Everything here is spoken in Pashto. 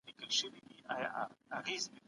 ایسچریچیا کولی د خوړو زهرجن کیدو لامل کېږي.